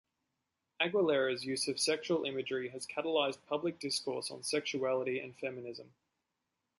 Aguilera's use of sexual imagery has catalyzed public discourse on sexuality and feminism.